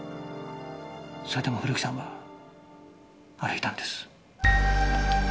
それでも古木さんは歩いたんです。